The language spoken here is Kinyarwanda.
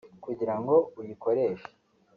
Kugira ngo uyikoreshe